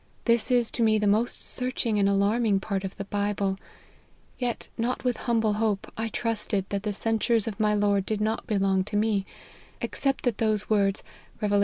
This is to me the most searching and alarming part of the Bible ; yet now with humble hope I trusted, that the censures of my Lord did not belong to me : except that those words, Rev. ii.